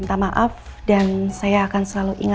iya kamu menyhibun seperti ini